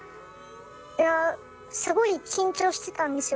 いやすごい緊張してたんですよ。